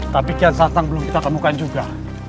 tapi kian datang belum kita temukan juga